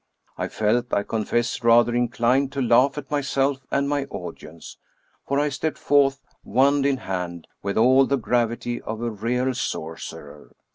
I felt, I confess, rather inclined to laugh at myself and my audience, for I stepped forth, wand in hand, with all the gravity of a real sorcerer.